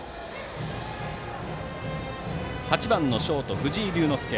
打席は８番のショート藤井竜之介。